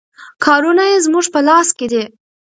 کارونه یې زموږ په لاس کې دي.